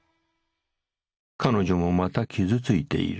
彼女もまた傷ついている